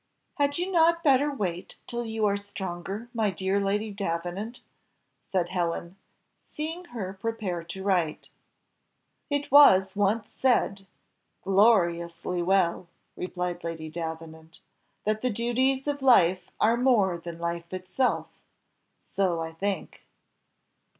"Had not you better wait till you are stronger, my dear Lady Davenant!" said Helen, seeing her prepare to write. "It was once said, gloriously well," replied Lady Davenant, "that the duties of life are more than life itself so I think."